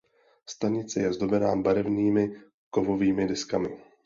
Stanice je zdobena barevnými kovovými deskami.